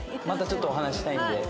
またちょっとお話ししたいんで。